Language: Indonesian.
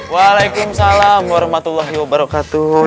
waalaikumsalam warahmatullahi wabarakatuh